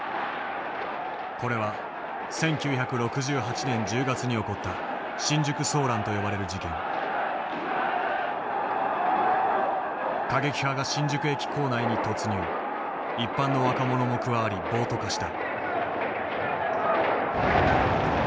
これは１９６８年１０月に起こった過激派が新宿駅構内に突入一般の若者も加わり暴徒化した。